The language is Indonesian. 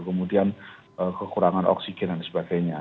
kemudian kekurangan oksigen dan sebagainya